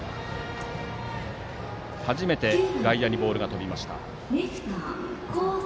初めて外野にボールが飛びました。